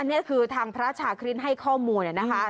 อันนี้คือทางพระชาคริสต์ให้ข้อมูลนะคะ